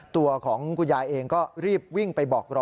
ตัวของคุณยายเองก็รีบวิ่งไปบอกรอ